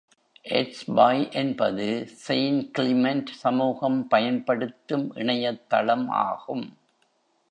Edsby என்பது Saint Clement சமூகம் பயன்படுத்தும் இணையத்தளம் ஆகும்.